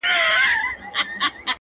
سم پسرلى ترې جوړ سي _